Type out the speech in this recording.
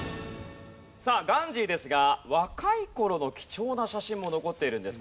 さあガンジーですが若い頃の貴重な写真も残っているんです。